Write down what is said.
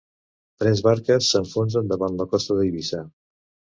Tres barques s'enfonsen davant la costa d'Eivissa